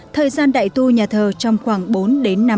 thời gian đại tu nhà thờ trong khoảng bốn đến năm năm